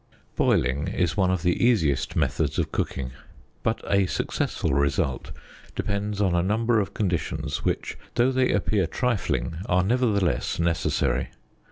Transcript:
Boiling is one of the easiest methods of cooking, but a suc cessful result depends on a number of conditions which, though they appear trifling, are nevertheless necessary.